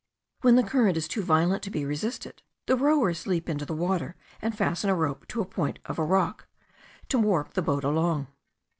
When the current is too violent to be resisted the rowers leap into the water, and fasten a rope to the point of a rock, to warp the boat along.